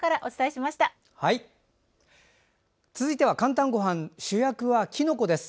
続いて「かんたんごはん」主役はきのこです。